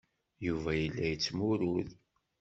Yuba yella yettmurud.